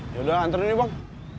yaudah anturin yuk bang